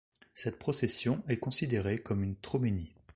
Cette procession est considéré comme une troménie.